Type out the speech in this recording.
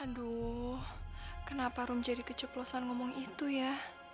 aduh kenapa rum jadi keceplosan ngomong itu ya